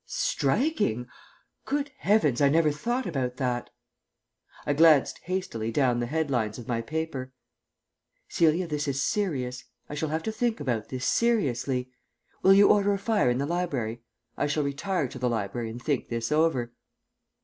"Striking! Good heavens, I never thought about that." I glanced hastily down the headlines of my paper. "Celia, this is serious. I shall have to think about this seriously. Will you order a fire in the library? I shall retire to the library and think this over."